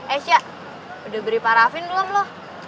esya udah beri parafin belum loh